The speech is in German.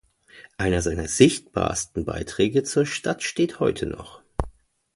Einer seiner sichtbarsten Beiträge zur Stadt steht heute noch.